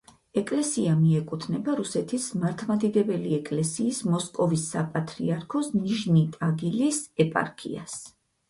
ეკლესია მიეკუთვნება რუსეთის მართლმადიდებელი ეკლესიის მოსკოვის საპატრიარქოს ნიჟნი-ტაგილის ეპარქიას.